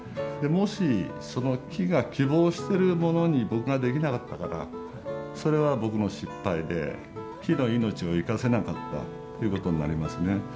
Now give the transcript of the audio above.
もしその木が希望してるものに僕ができなかったらそれは僕の失敗で木の命を生かせなかったということになりますね。